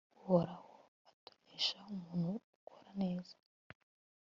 uhoraho atonesha umuntu ukora neza